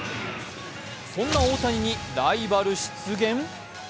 そんな大谷にライバル出現？